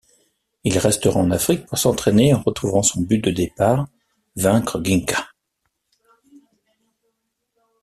Il restera en Afrique pour s'entraîner en retrouvant son but de départ: vaincre Gingka.